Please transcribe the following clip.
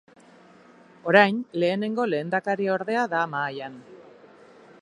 Orain, Lehenengo lehendakariordea da mahaian.